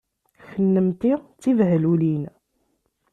Kennemti d tibehlulin!